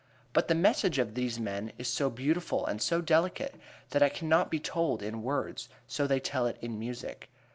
But the message of these men is so beautiful and so delicate that it cannot be told in words, so they tell it in music.